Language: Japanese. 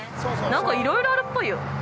◆なんかいろいろあるっぽいよ。